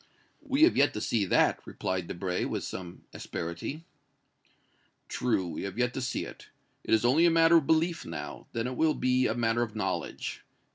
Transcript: "We have yet to see that!" replied Debray, with some asperity. "True, we have yet to see it. It is only a matter of belief now; then it will be a matter of knowledge.